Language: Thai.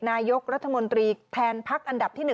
นายกรัฐมนตรีแทนพักอันดับที่๑